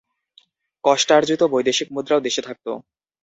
কষ্টার্জিত বৈদেশিক মুদ্রাও দেশে থাকত।